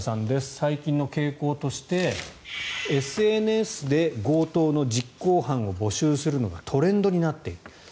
最近の傾向として、ＳＮＳで強盗の実行犯を募集するのがトレンドになっている。